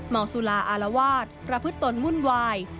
เมาซุลาอารวาสระพึดตนมุ่นวาย